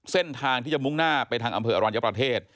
เส้นทางที่จะมุ่งหน้าไปทางอำเภออรัญญประเทศ